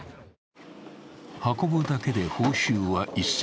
運ぶだけで報酬は１隻